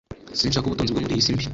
Sinshaka ubutunzi bwo muri iyi si mbi